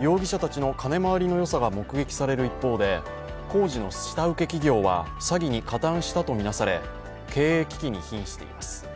容疑者たちの金回りの良さが目撃される一方で工事の下請け企業は詐欺に加担したとみなされ、経営危機に瀕しています。